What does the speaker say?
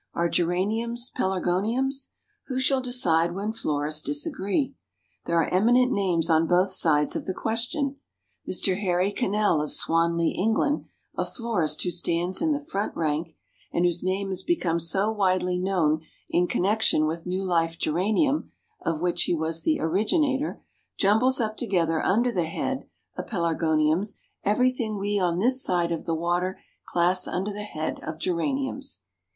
Are Geraniums Pelargoniums? Who shall decide when florists disagree? There are eminent names on both sides of the question. Mr. Henry Cannell of Swanley, England, a florist who stands in the front rank, and whose name has become so widely known in connection with New Life Geranium, of which he was the originator, jumbles up together under the head of Pelargoniums everything we on this side of the water class under the head of Geraniums.